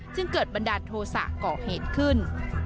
จึงเกิดบันดาลโทษะก่อเหตุขึ้น